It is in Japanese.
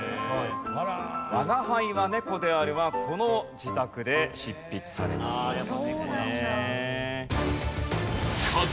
『吾輩は猫である』はこの自宅で執筆されたそうなんですね。